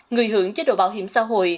người hưởng chế độ bảo hiểm xã hội